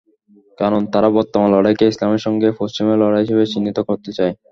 কারণ, তারা বর্তমান লড়াইকে ইসলামের সঙ্গে পশ্চিমের লড়াই হিসেবে চিহ্নিত করতে চায়।